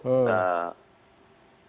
menko kemudian sekarang artinya ya itu bagus ya